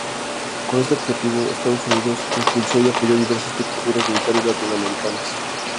Con este objetivo, Estados Unidos impulsó y apoyó diversas dictaduras militares latinoamericanas.